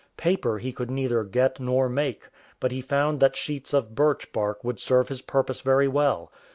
Paper he could neither get nor make, but he found that sheets of birch bark would serve his purpose very well.